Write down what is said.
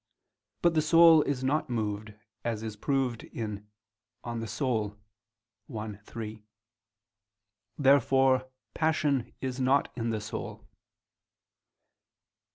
But the soul is not moved, as is proved in De Anima i, 3. Therefore passion is not in the soul.